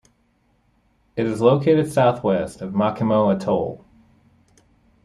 It is located southwest of Makemo Atoll.